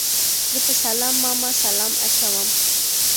زه په سلام ماما سلام اچوم